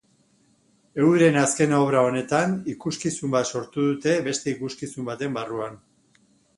Euren azken obra honetan, ikuskizun bat sortu dute beste ikuskizun baten barruan.